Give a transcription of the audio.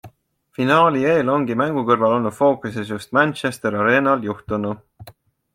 Finaali eel ongi mängu kõrval olnud fookuses just Manchester Arenal juhtunu.